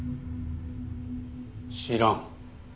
知らん。